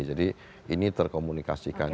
jadi ini terkomunikasikan